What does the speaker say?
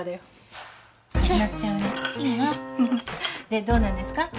でどうなんですか？